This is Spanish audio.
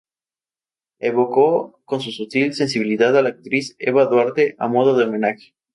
Evocó con su sutil sensibilidad a la actriz Eva Duarte a modo de homenaje.